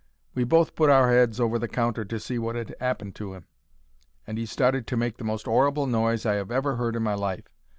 We both put our 'eads over the counter to see wot had 'appened to 'im, and 'e started making the most 'orrible noise I 'ave ever heard in my life.